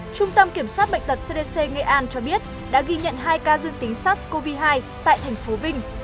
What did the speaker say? trung tâm kiểm soát bệnh tật cdc nghệ an cho biết đã ghi nhận hai ca dương tính sars cov hai tại thành phố vinh